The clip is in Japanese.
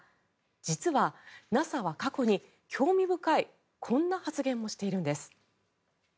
実はＮＡＳＡは過去に興味深いこんな発言もしているんです。